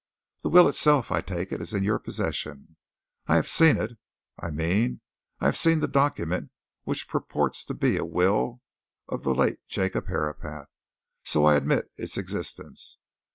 The will itself, I take it, is in your possession. I have seen it I mean, I have seen the document which purports to be a will of the late Jacob Herapath so I admit its existence.